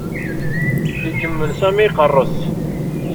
Ikemmel Sami iqerres.